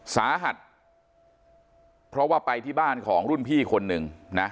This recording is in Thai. สาหัสเพราะว่าไปที่บ้านของรุ่นพี่คนหนึ่งนะ